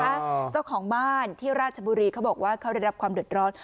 เจ้าของบ้านที่ราชบุรีเขาบอกว่าเขาได้รับความเดือดร้อน